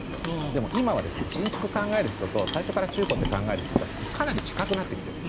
でも今は、新築を考える人と最初から中古って考える人たちってかなり近くなってきている。